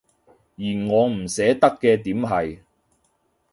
而我唔捨得嘅點係